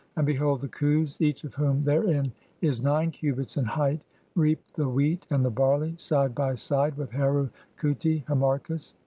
And behold, the Khus, each "of whom therein is nine cubits in height, reap the wheat and "the barley (5) side by side with Heru khuti (Harmachis).